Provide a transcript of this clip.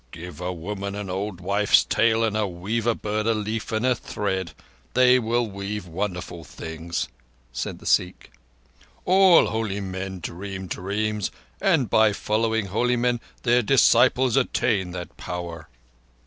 "Give a woman an old wife's tale and a weaver bird a leaf and a thread", they will weave wonderful things," said the Sikh. "All holy men dream dreams, and by following holy men their disciples attain that power."